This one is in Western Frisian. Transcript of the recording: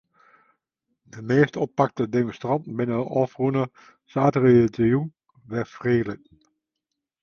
De measte oppakte demonstranten binne ôfrûne saterdeitejûn wer frijlitten.